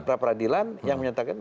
peradilan yang menyatakan